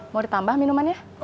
mau ditambah minumannya